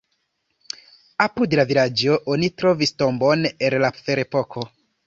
Apud la vilaĝo oni trovis tombon el la ferepoko.